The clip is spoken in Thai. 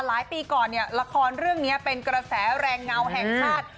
ปีก่อนเนี่ยละครเรื่องนี้เป็นกระแสแรงเงาแห่งชาติ